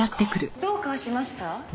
どうかしました？